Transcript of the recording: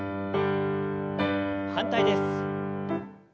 反対です。